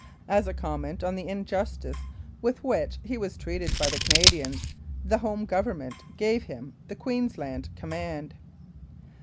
As a comment on the injustice with which he was treated by the Canadians, the Home Government gave him the Queensland Command.